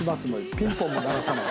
ピンポンも鳴らさない。